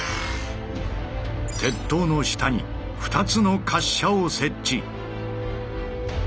鉄塔の下に２つの滑車を設置。